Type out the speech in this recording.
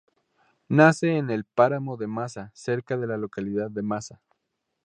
Nace en el Páramo de Masa, cerca de la localidad de Masa.